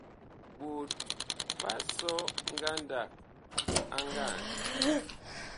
Ɓot ɓa sɔ ngandag a ngand.